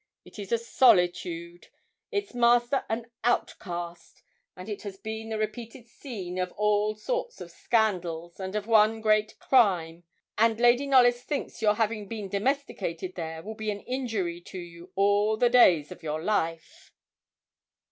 It is a solitude its master an outcast, and it has been the repeated scene of all sorts of scandals, and of one great crime; and Lady Knollys thinks your having been domesticated there will be an injury to you all the days of your life.'